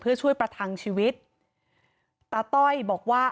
เพื่อช่วยประทังชีวิตตาต้อยบอกว่า